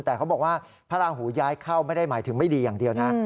แต่เขาบอกว่าพระราหูย้ายเข้าไม่ได้หมายถึงไม่ดีอย่างเดียวนะ